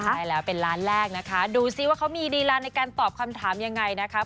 ใช่แล้วเป็นล้านแรกนะคะดูซิว่าเขามีลีลาในการตอบคำถามยังไงนะคะ